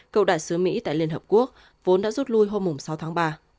cựu đại sứ mỹ tại liên hợp quốc vốn đã rút lui hôm sáu tháng ba